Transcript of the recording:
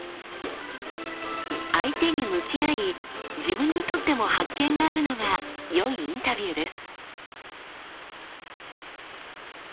相手に向き合い自分にとっても発見があるのがよいインタビューです。